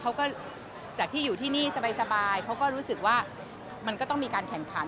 จากที่อยู่ที่นี่สบายเขาก็รู้สึกว่ามันก็ต้องมีการแข่งขัน